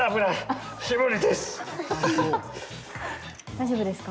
大丈夫ですか？